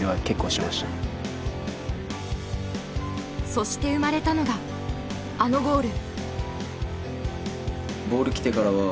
そして生まれたのがあのゴール。